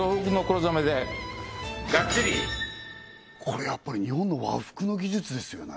これやっぱり日本の和服の技術ですよね